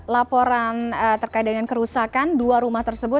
laporan terkait dengan kerusakan dua rumah tersebut